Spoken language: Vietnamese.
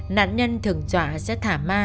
nạn nhân thường dọa sẽ thả ma